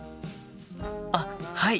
あっはい！